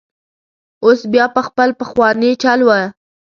اوس بیا په خپل پخواني چل ول.